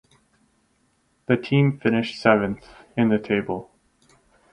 The team finished seventh in the table.